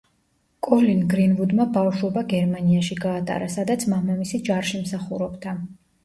კოლინ გრინვუდმა ბავშვობა გერმანიაში გაატარა, სადაც მამამისი ჯარში მსახურობდა.